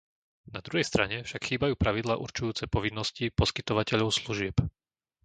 Na druhej strane však chýbajú pravidlá určujúce povinnosti poskytovateľov služieb.